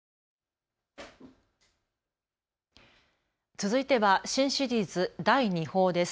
続いては新シリーズ、第二報です。